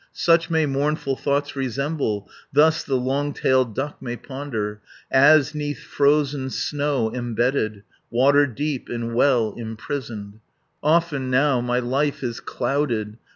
Such may mournful thoughts resemble, Thus the long tailed duck may ponder, As 'neath frozen snow embedded, Water deep in well imprisoned. "Often now my life is clouded.